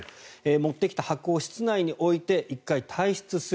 持ってきた箱を室内に置いて１回退室する。